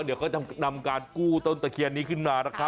เดี๋ยวก็ทำการกู้ตะเคียนนี้ขึ้นมานะคะ